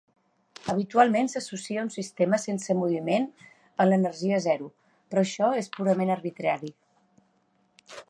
Habitualment, s'associa un sistema sense moviment amb l'energia zero, però això és purament arbitrari.